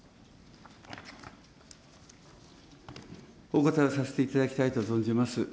お答えをさせていただきたいと存じます。